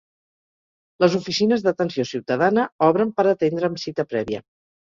Les Oficines d'Atenció Ciutadana obren per atendre amb cita prèvia.